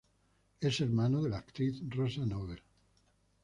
Es hermano de la actriz Rosa Novell.